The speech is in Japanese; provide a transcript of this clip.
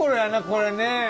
これね。